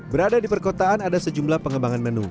berada di perkotaan ada sejumlah pengembangan menu